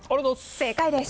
正解です。